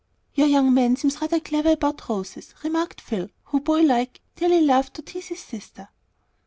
"Your young man seems rather clever about roses," remarked Phil, who, boy like, dearly loved to tease his sister.